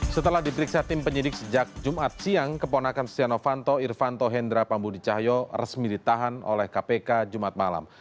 setelah diperiksa tim penyidik sejak jumat siang keponakan setia novanto irvanto hendra pambudicahyo resmi ditahan oleh kpk jumat malam